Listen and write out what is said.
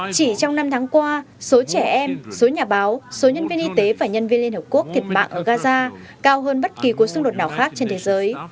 chỉ trong năm tháng qua số trẻ em số nhà báo số nhân viên y tế và nhân viên liên hợp quốc thiệt mạng ở gaza cao hơn bất kỳ cuộc xung đột nào khác trên thế giới